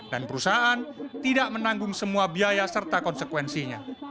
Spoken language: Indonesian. dan perusahaan tidak menanggung semua biaya serta konsekuensinya